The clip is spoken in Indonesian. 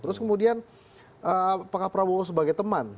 terus kemudian apakah prabowo sebagai teman